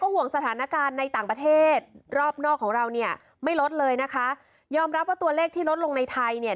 ห่วงสถานการณ์ในต่างประเทศรอบนอกของเราเนี่ยไม่ลดเลยนะคะยอมรับว่าตัวเลขที่ลดลงในไทยเนี่ย